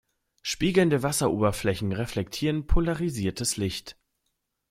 Spiegelnde Wasseroberflächen reflektieren polarisiertes Licht.